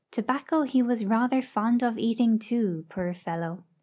Tobacco he was rather fond of eating, too, poor fellow.